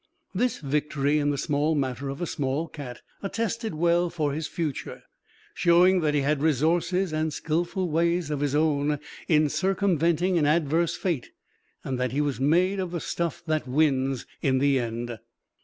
This victory in the small matter of a small cat, attested well for his future, showing that he had resources and skillful ways of his own in circumventing an adverse fate, and that he was made of the stuff that wins in the end.